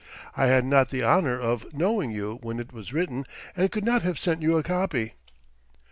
"I had not the honor of knowing you when it was written and could not have sent you a copy."